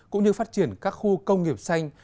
cũng như phát triển các khu công nghiệp xanh